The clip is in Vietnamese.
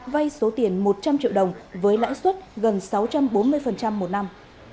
vay số tiền một trăm linh triệu đồng với lãi suất gần sáu trăm bốn mươi một năm